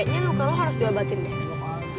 kayaknya luka lu harus diobatin deh